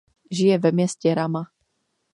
Žije ve městě Rama.